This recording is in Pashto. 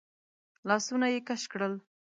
لاسونه يې کش کړل.